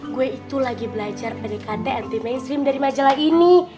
gue itu lagi belajar pdkt anti mainstream dari majalah ini